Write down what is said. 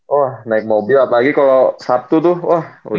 wah naik mobil apalagi kalau sabtu tuh wah udah